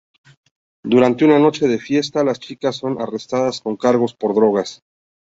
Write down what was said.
Durante una noche de fiesta, las chicas son arrestadas con cargos por drogas.